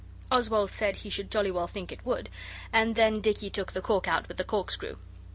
Oswald said he should jolly well think it would, and then Dicky took the cork out with the corkscrew.